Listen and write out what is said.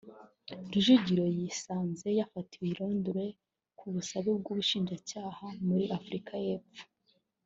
Rujugiro yisanze yafatiwe i Londres ku busabe bw’Ubushinjacyaha muri Afurika y’Epfo